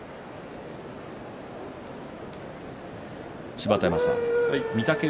芝田山さん、御嶽海